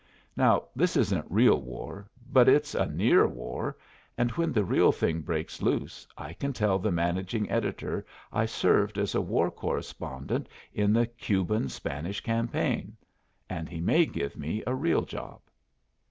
Now this isn't real war, but it's a near war, and when the real thing breaks loose, I can tell the managing editor I served as a war correspondent in the Cuban Spanish campaign. And he may give me a real job!"